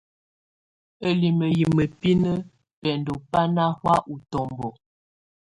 Ǝ́limǝ́ yɛ́ mǝ́binǝ́ bɛndɔ́ bá ná hɔ̀á útɔ́mbɔ.